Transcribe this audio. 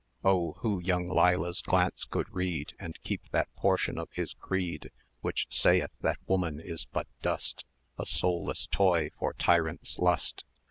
Oh! who young Leila's glance could read And keep that portion of his creed Which saith that woman is but dust, A soulless toy for tyrant's lust?